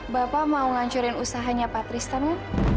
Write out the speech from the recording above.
bapak mau ngancurin usahanya pak tristan gak